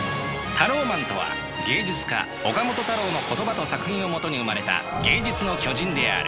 タローマンとは芸術家岡本太郎の言葉と作品を基に生まれた芸術の巨人である。